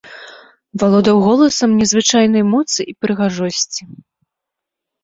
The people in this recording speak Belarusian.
Валодаў голасам незвычайнай моцы і прыгажосці.